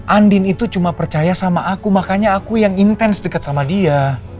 andin itu cuma percaya sama aku makanya aku yang intens dekat sama dia